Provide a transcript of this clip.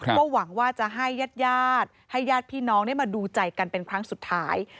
ก็หวังว่าจะให้ญาติให้ญาติพี่น้องได้มาดูใจกันเป็นครั้งสุดท้าย